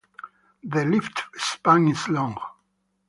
The lift span is long.